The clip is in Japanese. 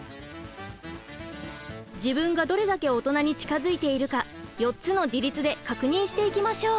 自分がどれだけオトナに近づいているか４つの自立で確認していきましょう！